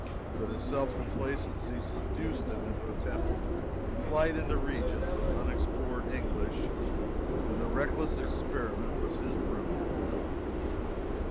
But his self complacency seduced him into attempting a flight into regions of unexplored English, and the reckless experiment was his ruin.